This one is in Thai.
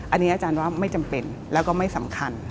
อันนี้อาจารย์ว่าไม่จำเป็นแล้วก็ไม่สำคัญ